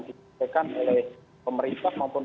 diberikan oleh pemerintah maupun